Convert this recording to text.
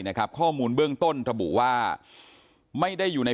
นะครับข้อมูลเบื้องต้นระบุว่าไม่ได้อยู่ใน